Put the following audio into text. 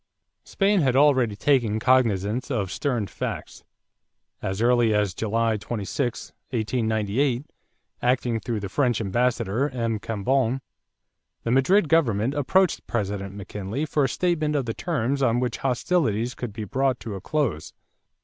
= Spain had already taken cognizance of stern facts. As early as July 26, 1898, acting through the French ambassador, M. Cambon, the Madrid government approached President McKinley for a statement of the terms on which hostilities could be brought to a close.